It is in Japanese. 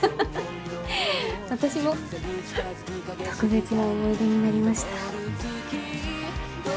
私も特別な思い出になりました